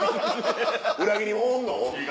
裏切りもんおんの？